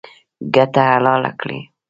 ګټه حلاله کړئ